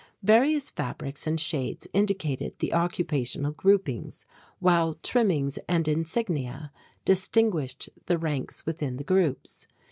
Various fabrics and shades indicated the occupational grouping while trimmings and insignia distinguished the ranks within the groups.